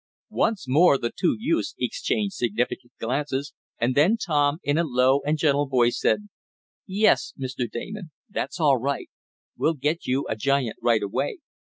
Once more the two youths exchanged significant glances, and then Tom, in a low and gentle voice said: "Yes, Mr. Damon, that's all right. We'll get you a giant right away.